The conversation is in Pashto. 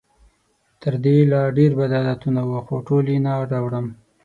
تر دې لا ډېر بد عادتونه وو، خو ټول یې نه راوړم.